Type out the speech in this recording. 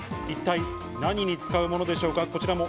一体何に使うものでしょうか？